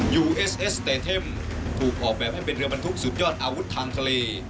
ยูเอสเอสเตเทมถูกออกแบบให้เป็นเรือบรรทุกสืบยอดอาวุธทางทะเล